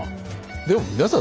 でも皆さん